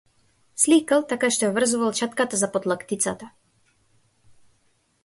Сликал така што ја врзувал четката за подлактицата.